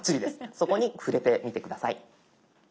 そこに触れてみて下さい。